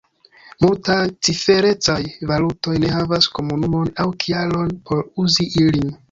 Multaj ciferecaj valutoj ne havas komunumon aŭ kialon por uzi ilin.